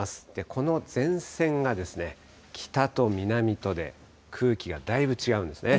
この前線が、北と南とで空気がだいぶ違うんですね。